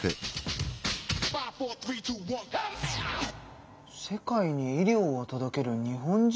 「世界に医療を届ける日本人看護師」？